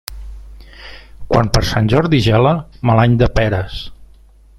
Quan per Sant Jordi gela, mal any de peres.